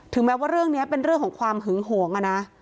แม้ว่าเรื่องนี้เป็นเรื่องของความหึงหวงอะนะ